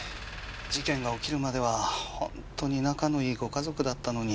事件が起きるまでは本当に仲のいいご家族だったのに。